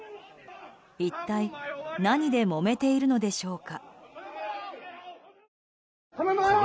一体、何でもめているのでしょうか。